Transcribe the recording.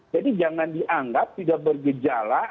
jadi jangan dianggap tidak bergejala